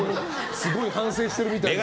すごい反省してるみたいです。